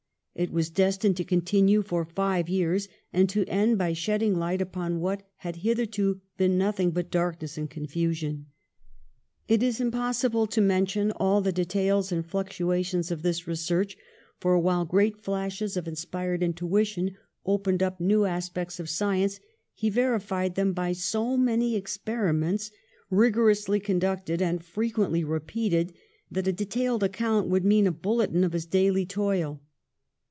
It was destined to continue for five years and to end by shedding light upon what had hitherto been nothing but darkness and confu sion. It is impossible to mention all the details and fluctuations of this research, for, while great flashes of inspired intuition opened up new as pects of science, he verified them by so many experiments, rigorously conducted and fre quently repeated, that a detailed account would mean a bulletin of his daily toil.